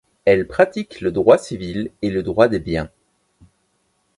Elle pratique le droit civil et le droit des biens.